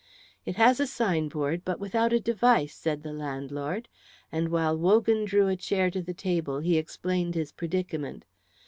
"It has a sign board, but without a device," said the landlord, and while Wogan drew a chair to the table he explained his predicament.